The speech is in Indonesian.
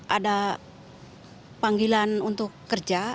ada panggilan untuk kerja